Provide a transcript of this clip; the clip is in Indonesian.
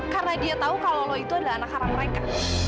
karena dia tahu kalau lo itu adalah anak haram mereka